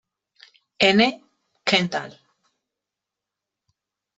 N. Kendall.